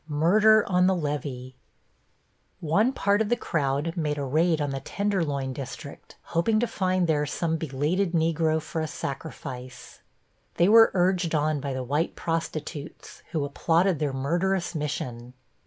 +MURDER ON THE LEVEE+ One part of the crowd made a raid on the tenderloin district, hoping to find there some belated Negro for a sacrifice. They were urged on by the white prostitutes, who applauded their murderous mission.